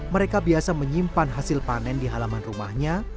mereka biasa menyimpan hasil panen di halaman rumahnya